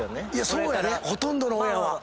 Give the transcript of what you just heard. そうやでほとんどの親は。